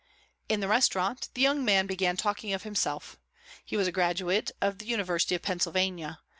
In the restaurant the young man began talking of himself. He was a graduate of the University of Pennsylvania.